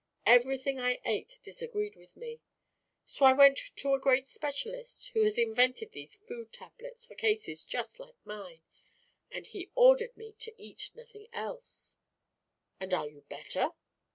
Everything I ate disagreed with me. So I went to a great specialist, who has invented these food tablets for cases just like mine, and he ordered me to eat nothing else." "And are you better?"